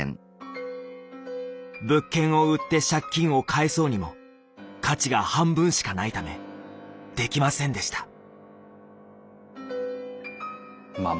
物件を売って借金を返そうにも価値が半分しかないためできませんでした。